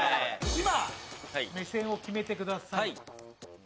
今目線を決めてください。